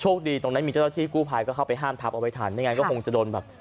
โชคดีตรงนั้นมีเจ้าที่กู้พัยก็เข้าไปห้ามทับเอาอย่างงั้นก็คงจะโดนแบบ